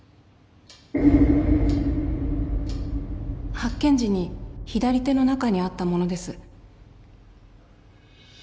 ・発見時に左手の中にあったものです